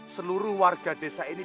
seluruh warga desa ini